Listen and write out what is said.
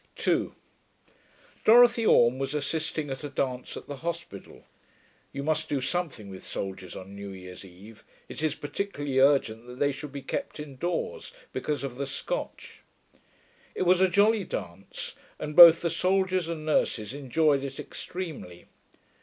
2 Dorothy Orme was assisting at a dance at the hospital. (You must do something with soldiers on new year's eve; it is particularly urgent that they should be kept indoors, because of the Scotch.) It was a jolly dance, and both the soldiers and nurses enjoyed it extremely.